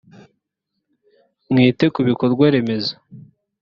mwite kubikorwa remezo.